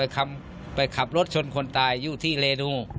ขับรถชนคนตายยู่ที่เลนู่